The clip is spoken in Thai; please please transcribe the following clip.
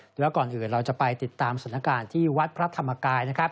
เดี๋ยวก่อนอื่นเราจะไปติดตามสถานการณ์ที่วัดพระธรรมกายนะครับ